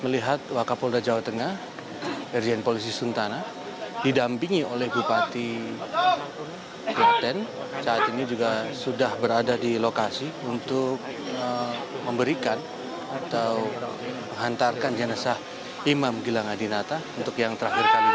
melihat wakapolda jawa tengah irjen polisi suntana didampingi oleh bupati klaten saat ini juga sudah berada di lokasi untuk memberikan atau menghantarkan jenazah imam gilang adinata untuk yang terakhir kali